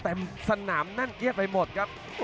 แต่สนามนั่นเยอะไปหมดครับ